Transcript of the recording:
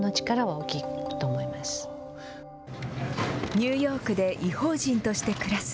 ニューヨークで異邦人として暮らす。